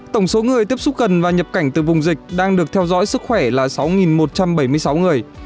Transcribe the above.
tổng số người tiếp xúc gần và nhập cảnh từ vùng dịch đang được theo dõi sức khỏe là sáu một trăm bảy mươi sáu người